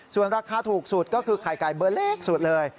ส่วนราคาถูกสุดก็คือไข่ไก่เบอร์เล็กสุดเลย